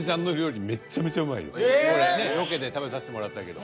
ロケで食べさせてもらったけど。